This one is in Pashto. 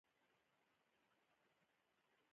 • صداقت د حق لاره ده.